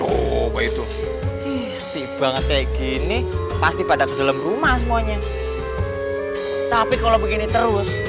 oh apa itu istri banget kayak gini pasti pada kejelem rumah semuanya tapi kalau begini terus